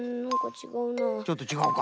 ちょっとちがうか？